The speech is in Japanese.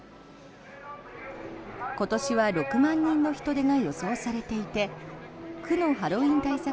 今年は６万人の人出が予想されていて区のハロウィーン対策